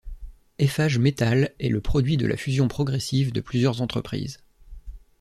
Eiffage Métal est le produit de la fusion progressive de plusieurs entreprises.